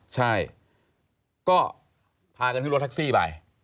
ใช่ก็พากันขึ้นรถแท็กซี่ไป